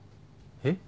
えっ？